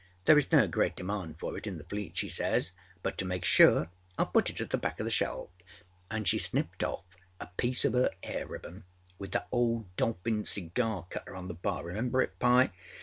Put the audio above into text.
Thereâs no great demand for it in the Fleet,â she says, âbut to make sure Iâll put it at the back oâ the shelf,â anâ she snipped off a piece of her hair ribbon with that old dolphin cigar cutter on the barâremember it, Pye?